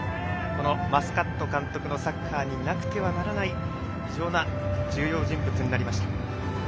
マスカット監督のサッカーになくてはならない重要人物になりました。